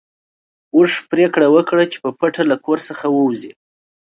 اوښ پرېکړه وکړه چې په پټه له کور څخه ووځي.